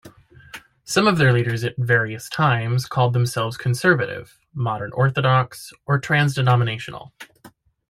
Some of their leaders at various times called themselves Conservative, Modern Orthodox or trans-denominational.